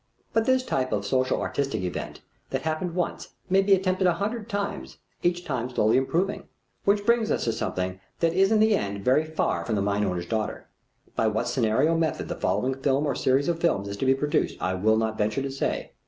But this type of social artistic event, that happened once, may be attempted a hundred times, each time slowly improving. Which brings us to something that is in the end very far from The Mine Owner's Daughter. By what scenario method the following film or series of films is to be produced I will not venture to say.